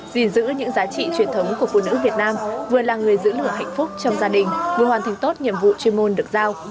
gìn giữ những giá trị truyền thống của phụ nữ việt nam vừa là người giữ lửa hạnh phúc trong gia đình vừa hoàn thành tốt nhiệm vụ chuyên môn được giao